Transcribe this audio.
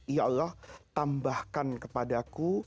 ya allah tambahkan kepadaku